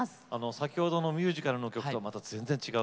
先ほどのミュージカルの曲とはまた全然違う曲だそうですね。